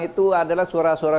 itu adalah suara suara